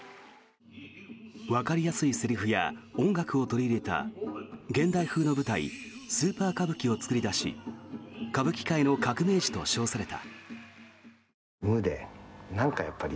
わかりやすいセリフや音楽を取り入れた現代風の舞台スーパー歌舞伎を作り出し歌舞伎界の革命児と称された。